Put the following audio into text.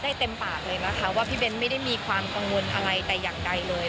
เต็มปากเลยนะคะว่าพี่เบ้นไม่ได้มีความกังวลอะไรแต่อย่างใดเลย